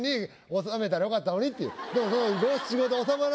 収めたら良かったのにっていう。